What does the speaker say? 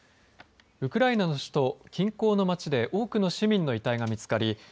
ウクライナの首都、近郊の町で多くの市民の遺体が見つかり